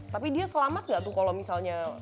tapi dia selamat gak tuh kalau misalnya